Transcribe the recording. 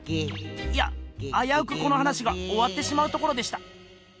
いやあやうくこの話がおわってしまうところでした。